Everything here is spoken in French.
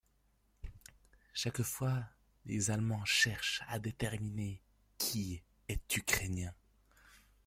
À chaque fois, les Allemands cherchent à déterminer qui est ukrainien.